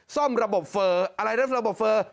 ซ่อมระบบเฟอร์อะไรนะระบบเฟอร์